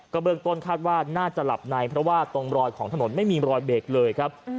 เบื้องต้นคาดว่าน่าจะหลับในเพราะว่าตรงรอยของถนนไม่มีรอยเบรกเลยครับ